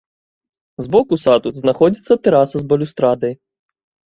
З боку саду знаходзіцца тэраса з балюстрадай.